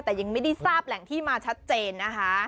แต่ยังไม่ได้ทราบแหล่งที่มาชัดเจนนะคะ